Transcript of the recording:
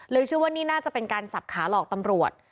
เชื่อว่านี่น่าจะเป็นการสับขาหลอกตำรวจ